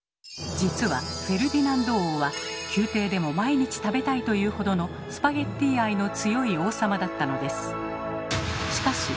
実はフェルディナンド王は宮廷でも毎日食べたいというほどのスパゲッティ愛の強い王様だったのです。